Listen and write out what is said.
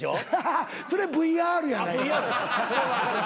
それはＶＲやないか。